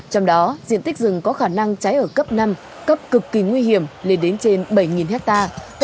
trong đó diện tích rừng có khả năng cháy ở cấp năm cấp cực kỳ nguy hiểm lên đến trên bảy hectare